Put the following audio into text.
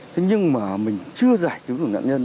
thế nhưng mà mình chưa giải cứu được nạn nhân